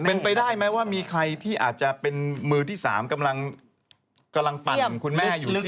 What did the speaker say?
เป็นไปได้ไหมว่ามีใครที่อาจจะเป็นมือที่๓กำลังปั่นคุณแม่อยู่หรือเปล่า